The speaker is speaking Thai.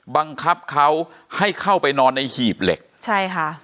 บังคับเขาให้เข้าไปนอนในหีบเหล็กใช่ค่ะ